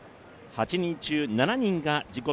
８人中７人が自己